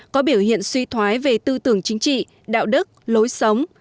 có biểu hiện suy thoái về tư tưởng chính trị đạo đức lối sống